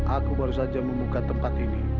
aku baru saja membuka tempat ini